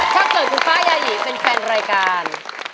ถ้าเจอกูฟ้ายายีเป็นแฟนรายการ